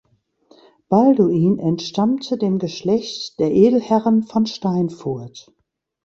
Balduin entstammte dem Geschlecht der Edelherren von Steinfurt.